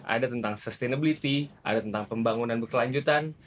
ada tentang sustainability ada tentang pembangunan berkelanjutan